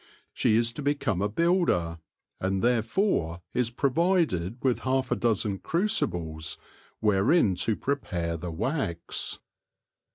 She is to become a builder, and therefore is provided with half a dozen crucibles wherein to prepare the wax.